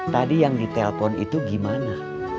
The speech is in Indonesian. tadi yang ditelepon itu gimana